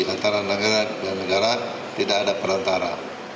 antara negara dengan negara tidak ada perantara